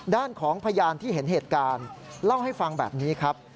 ด้านของพยานที่เห็นเหตุการณ์เล่าให้ฟังแบบนี้ครับ